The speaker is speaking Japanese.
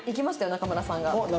中村さんが。おっ！